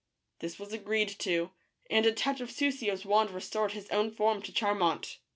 This was agreed to, and a touch of Soussio's wand restored his own form to Charmant.